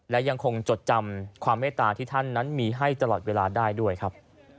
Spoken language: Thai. และยังคงจดจำความเมตตาที่ท่านนั้นมีให้ตลอดเวลาได้ด้วยครับ